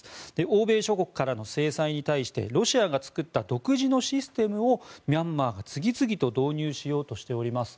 欧米諸国からの制裁に対してロシアが作った独自のシステムをミャンマーが導入しようとしております。